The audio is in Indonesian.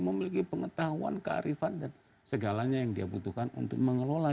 memiliki pengetahuan kearifan dan segalanya yang dia butuhkan untuk mengelola